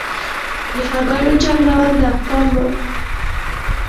د هګیو جنګول د اختر لوبه ده.